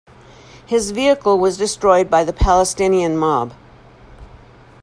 His vehicle was destroyed by the Palestinian mob.